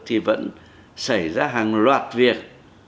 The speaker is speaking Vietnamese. thì vẫn xảy ra hàng loạt việc